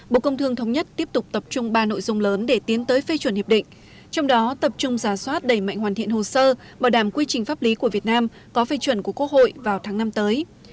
bộ công thương thống nhất tiếp tục tập trung ba nội dung lớn để tiến tới phê chuẩn hiệp định trong đó tập trung giả soát đẩy mạnh hoàn thiện hồ sơ bảo đảm quy trình pháp lý của việt nam có phê chuẩn của quốc hội vào tháng năm tới